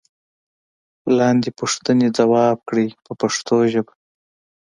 لاندې پوښتنې ځواب کړئ په پښتو ژبه.